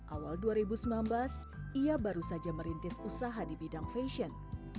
awal dua ribu sembilan belas ia baru saja merintis usaha di bidang fashion